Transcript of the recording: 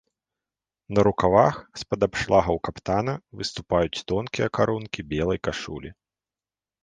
На рукавах з-пад абшлагаў каптана выступаюць тонкія карункі белай кашулі.